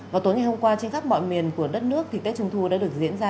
vào tối ngày hôm qua trên khắp mọi miền của đất nước thì tết trung thu đã được diễn ra